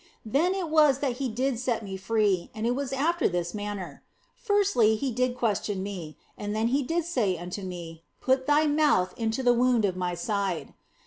Then it was that He did set me free, and it was after this manner. Firstly, He did question me ; then He did say unto me, " Put thy mouth into the wound in My side."